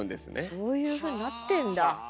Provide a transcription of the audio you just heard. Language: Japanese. そういうふうになってんだ。